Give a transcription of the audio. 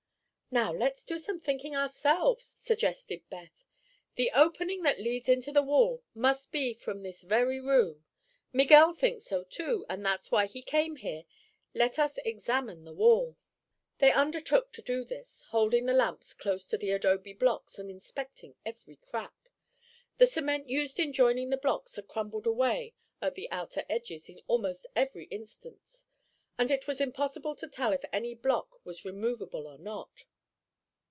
"Now, let's do some thinking ourselves," suggested Beth. "The opening that leads into the wall must be from this very room. Miguel thinks so, too, and that's why he came here. Let us examine the wall." They undertook to do this, holding the lamps close to the adobe blocks and inspecting every crack. The cement used in joining the blocks had crumbled away at the outer edges in almost every instance, and it was impossible to tell if any block was removable or not.